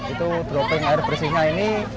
itu dropping air bersihnya ini